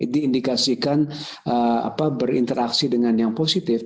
diindikasikan berinteraksi dengan yang positif